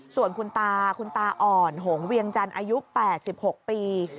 ส่วนคุณตาคุณตาอ่อนหงเวียงจันทร์อายุ๘๖ปี